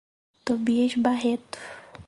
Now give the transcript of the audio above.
Tobias Barreto